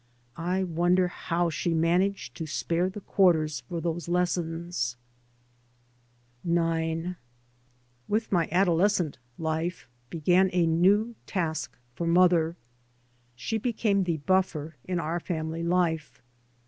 I wonder how she managed to spare the quarters for those lessons. 3 by Google CHAPXER IX WITH my adolescent life began a new task for mother. She became the buffer in our family life.